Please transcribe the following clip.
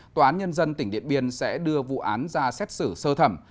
tòa án nhân dân tỉnh điện biên sẽ đưa vụ án ra xét xử sơ thẩm